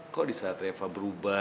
kok disaat reva berubah